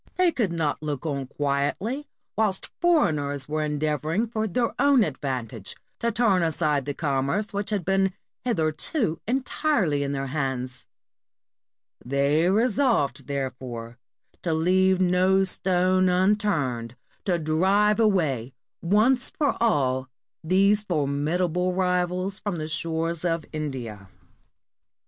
They could not look on quietly whilst foreigners were endeavoring for their own advantage to turn aside the commerce which had been hitherto entirely in their hands; they resolved, therefore, to leave no stone un turned to drive away once for all these formidable rivals from the shores of India.